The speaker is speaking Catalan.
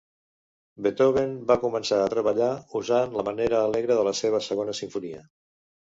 Beethoven va començar a treballar, usant la manera alegre de la seva Segona Simfonia.